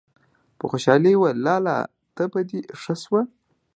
په خوشالي يې وويل: لالا! تبه دې ښه شوه!!!